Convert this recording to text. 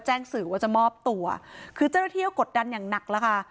สื่อว่าจะมอบตัวคือเจ้าหน้าที่กดดันอย่างหนักแล้วค่ะ